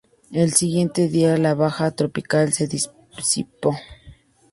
El siguiente día la baja tropical se disipó.